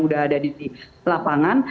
sudah ada di lapangan